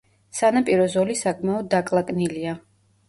სანაპირო ზოლი საკმაოდ დაკლაკნილია.